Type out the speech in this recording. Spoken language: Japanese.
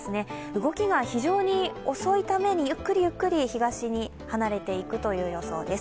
動きが非常に遅いためにゆっくりゆっくり東に離れていく予想です。